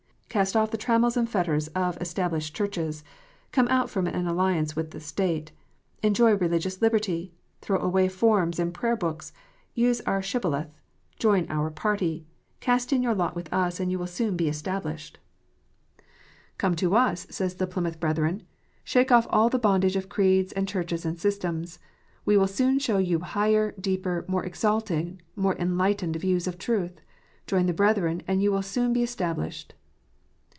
"Cast off the trammels and fetters of established Churches. Come out from all alliance with the State. Enjoy religious liberty. Throw away forms and Prayer books. Use our shibboleth. Join our party. Cast in your lot with us, and you will s^on be established." 356 KNOTS UNTIED. " Come to us," say the Plymouth Brethren. " Shake off all the bondage of creeds and Churches and systems. We will soon show you higher, deeper, more exalting, more enlightened views of truth. Join the Brethren, and you will soon be established."